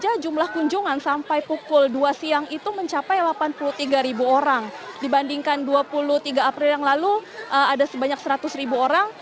jadi jumlah kunjungan sampai pukul dua siang itu mencapai delapan puluh tiga orang dibandingkan dua puluh tiga april yang lalu ada sebanyak seratus orang